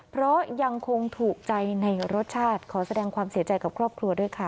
เพราะยังคงถูกใจในรสชาติขอแสดงความเสียใจกับครอบครัวด้วยค่ะ